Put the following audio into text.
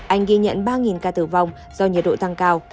anh ghi nhận ba ca tử vong do nhiệt độ tăng cao